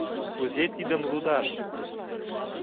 Кузе тидым лудаш?